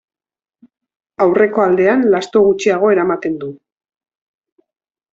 Aurreko aldean lasto gutxiago eramaten du.